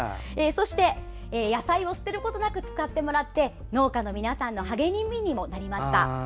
そして、野菜を捨てることなく使ってもらって農家さんの皆さんの励みにもなりました。